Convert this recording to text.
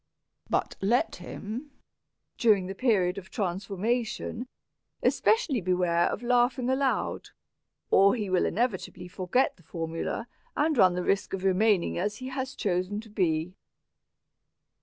But let him, during the period of transformation, especially beware of laughing aloud or he will inevitably forget the formula, and run the risk of remaining as he has chosen to be."